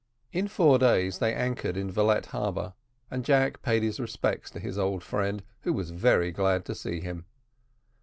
In four days they anchored in Valette harbour, and Jack paid his respects to his old friend, who was very glad to see him.